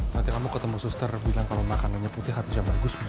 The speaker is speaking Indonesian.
nanti kamu ketemu suster bilang kalo makanannya putih hati sama gus